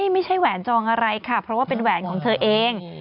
แหวนจองอะไรค่ะเพราะว่าเป็นแหวนของเธอเอง